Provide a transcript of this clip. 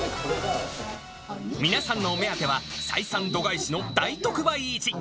皆さんのお目当ては、採算度外視の大特売市。